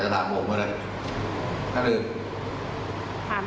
อย่าไปพูดถึงคนหนึ่งนะผม